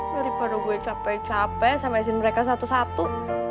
daripada gue capek capek sama istri mereka satu satu